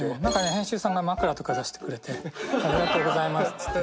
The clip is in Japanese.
編集さんが枕とか出してくれて「ありがとうございます」っつって。